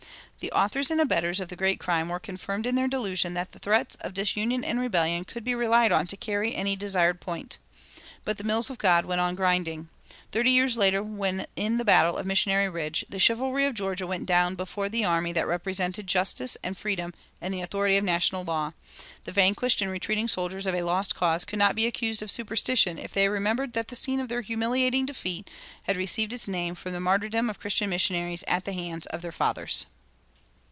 The authors and abettors of the great crime were confirmed in their delusion that threats of disunion and rebellion could be relied on to carry any desired point. But the mills of God went on grinding. Thirty years later, when in the battle of Missionary Ridge the chivalry of Georgia went down before the army that represented justice and freedom and the authority of national law, the vanquished and retreating soldiers of a lost cause could not be accused of superstition if they remembered that the scene of their humiliating defeat had received its name from the martyrdom of Christian missionaries at the hands of their fathers.